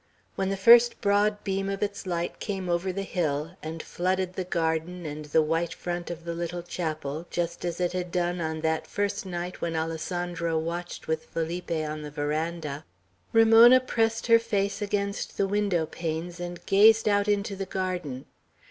When the first broad beam of its light came over the hill, and flooded the garden and the white front of the little chapel, just as it had done on that first night when Alessandro watched with Felipe on the veranda, Ramona pressed her face against the window panes, and gazed out into the garden.